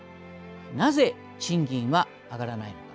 なぜ賃金は上がらないのか。